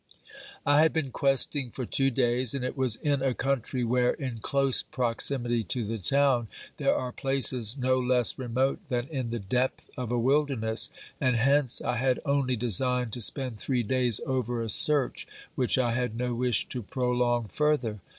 I had been questing for two days, and it was in a country where, in close proximity to the town, there are places no less remote than in the depth of a wilderness, and hence I had only designed to spend three days over a search which I had no wish to prolong further.